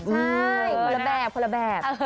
ใช่คนละแบบคนละแบบ